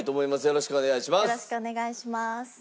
よろしくお願いします。